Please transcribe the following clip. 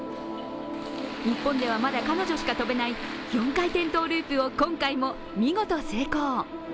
日本ではまだ彼女しか跳べない４回転トゥループを今回も見事成功。